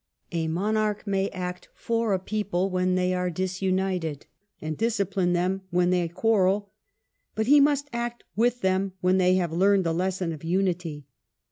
A monarch may act for a people " when they are disunited, and discipline them when they quarrel, but he must act with them when they have learned the lesson of unity.